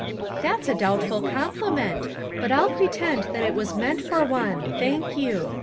"That's a doubtful compliment, but I'll pre tend that it was meant for one, thank you.